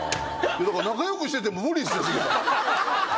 だから仲良くしてても無理ですよ繁さん。